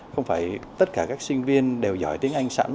không phải tất cả các sinh viên đều giỏi tiếng anh sẵn